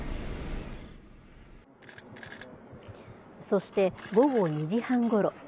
そして午後２時半ごろ。